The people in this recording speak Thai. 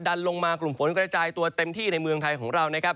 ลงมากลุ่มฝนกระจายตัวเต็มที่ในเมืองไทยของเรานะครับ